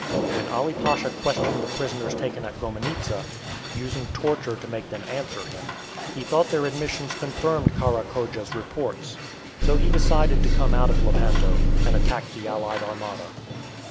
When Ali Pasha questioned the prisoners taken at Gomenizza, using torture to make them answer him, he thought their admissions confirmed Kara Khodja's reports. So he decided to come out of Lepanto and attack the allied armada.